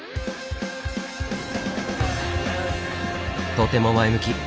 とても前向き。